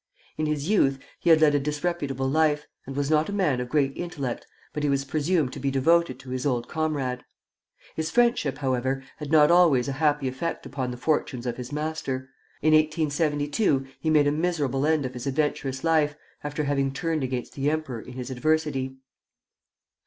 In his youth he had led a disreputable life, and was not a man of great intellect, but he was presumed to be devoted to his old comrade. His friendship, however, had not always a happy effect upon the fortunes of his master. In 1872 he made a miserable end of his adventurous life, after having turned against the emperor in his adversity.